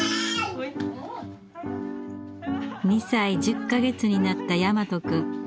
２歳１０か月になった大和くん。